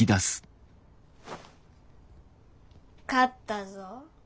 勝ったぞ。